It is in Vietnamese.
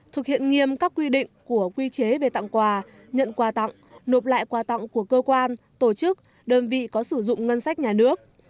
thực hiện nghiêm các quy định của quy chế về tặng quà nhận quà tặng nộp lại quà tặng của cơ quan tổ chức đơn vị có sử dụng ngân sách nhà nước